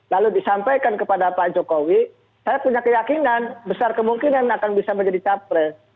lalu disampaikan kepada pak jokowi saya punya keyakinan besar kemungkinan akan bisa menjadi capres